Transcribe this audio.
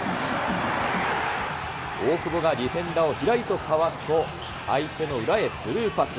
大久保がディフェンダーをひらりとかわすと、相手の裏へスルーパス。